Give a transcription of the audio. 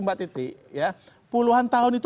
mbak titi ya puluhan tahun itu